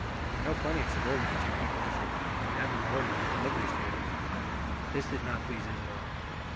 I know plenty of suburbanites who keep horses and have them boarded at the livery stables. But this did not please Isobel.